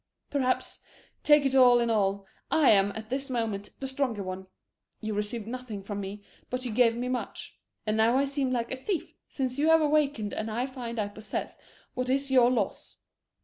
Perhaps, take it all in all, I am at this moment the stronger one. You received nothing from me, but you gave me much. And now I seem like a thief since you have awakened and find I possess what is your loss.